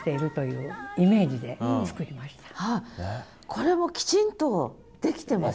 これもきちんとできてます。